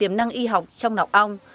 tiềm năng y học trong nọc ong